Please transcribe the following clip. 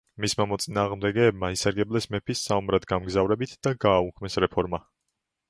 მისმა მოწინააღმდეგეებმა ისარგებლეს მეფის საომრად გამგზავრებით და გააუქმეს რეფორმა.